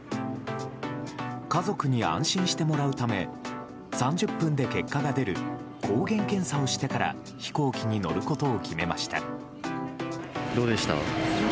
家族に安心してもらうため３０分で結果が出る抗原検査をしてから飛行機に乗ることを決めました。